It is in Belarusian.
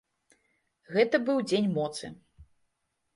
Гэта быў дзень моцы.